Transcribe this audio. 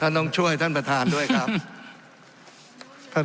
ทั้งสองกรณีผลเอกประยุทธ์